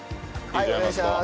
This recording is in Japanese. はいお願いします。